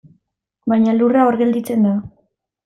Baina lurra, hor gelditzen da.